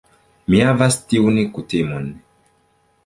Mi havas tiun kutimon.